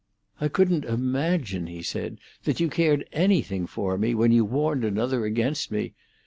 "I couldn't imagine," he said, "that you cared anything for me when you warned another against me.